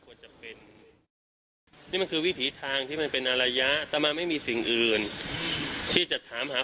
ควรจะเป็นวิธีทางที่มันเป็นอรัยะตามไม่มีสิ่งอื่นที่ถามหา